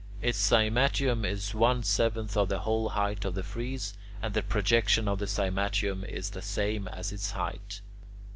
Its cymatium is one seventh of the whole height of the frieze, and the projection of the cymatium is the same as its height.